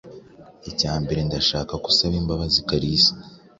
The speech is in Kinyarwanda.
Icyambere, ndashaka ko usaba imbabazi Kalisa.